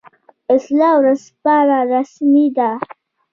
اصلاح ورځپاڼه رسمي ده